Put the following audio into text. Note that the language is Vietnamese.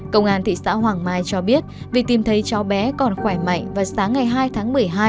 công an thị xã hoàng mai cho biết vì tìm thấy cháu bé còn khỏe mạnh vào sáng ngày hai tháng một mươi hai